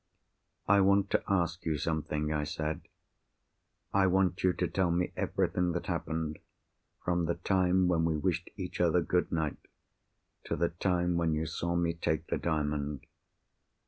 "I want to ask you something," I said. "I want you to tell me everything that happened, from the time when we wished each other good night, to the time when you saw me take the Diamond."